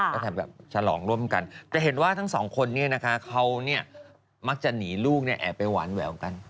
ก็ทำแบบฉลองร่วมกันแต่เห็นว่าทั้ง๒คนนี้นะฮะเขาเนี่ยมักจะหนีลูกเนี่ยแอบไปหวานแหววกัน